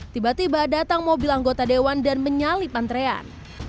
tiba tiba datang mobil anggota dewan dan menyalip antrean